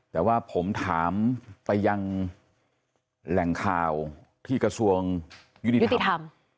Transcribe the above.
แต่ว่าผมถามไปยังแหล่งข่าวที่กระทรวงยุติธรรม